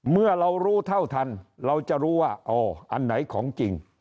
เมื่อเรารู้เท่าทันเราจะรู้ว่าอ๋ออันไหนของจริง